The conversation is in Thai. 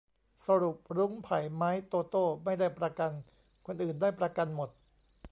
สรุป รุ้ง ไผ่ ไมค์ โตโต้ ไม่ได้ประกัน คนอื่นได้ประกันหมด